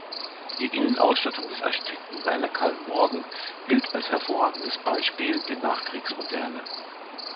Die Innenausstattung des Architekten Werner Kallmorgen gilt als hervorragendes Beispiel der Nachkriegsmoderne.